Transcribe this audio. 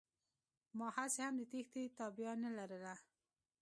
ما هسې هم د تېښتې تابيا نه لرله.